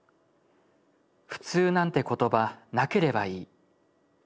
「普通なんて言葉無ければいい。